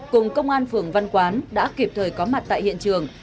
cùng công an phường văn quán đã kịp thời có mặt tại hiện trường